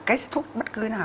cái thuốc bất cứ nào